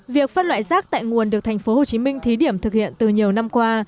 việc phân loại rác tại nguồn được thành phố hồ chí minh thí điểm thực hiện từ nhiều năm qua